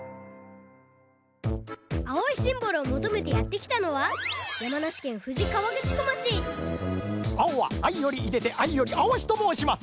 青いシンボルをもとめてやってきたのは山梨県富士河口湖町「青はあいよりいでてあいより青し」ともうします！